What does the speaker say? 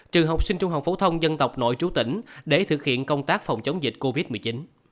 trừ học sinh trung học phổ thông dân tộc nội chú tỉnh để thực hiện công tác phòng chống dịch covid một mươi chín